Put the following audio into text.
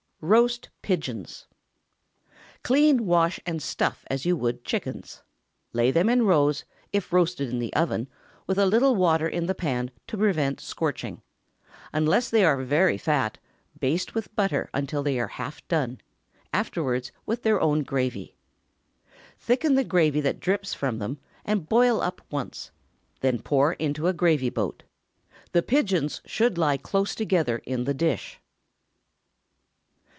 ROAST PIGEONS. Clean, wash, and stuff as you would chickens. Lay them in rows, if roasted in the oven, with a little water in the pan to prevent scorching. Unless they are very fat, baste with butter until they are half done, afterwards with their own gravy. Thicken the gravy that drips from them, and boil up once; then pour into a gravy boat. The pigeons should lie close together in the dish.